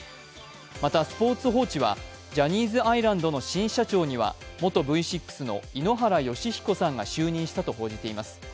またスポーツ報知はジャニーズアイランドの新社長には元Ｖ６の井ノ原快彦さんが就任したと報じています。